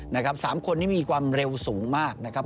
นะครับสามคนนี้มีความเร็วสูงมากนะครับ